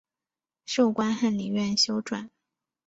授官翰林院修撰。